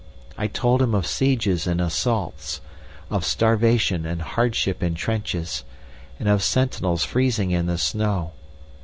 I told him of sieges and assaults, of starvation and hardship in trenches, and of sentinels freezing in the snow.